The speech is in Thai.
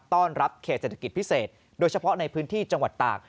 ต้อนรับเขตเศรษฐกิจพิเศษโดยเฉพาะในพื้นที่จังหวัดตาก